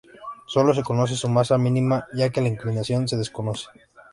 Sólo se conoce su masa mínima ya que la inclinación se desconoce.